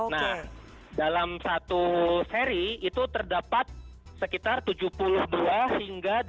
nah dalam satu seri itu terdapat sekitar tujuh puluh dua hingga delapan puluh tiga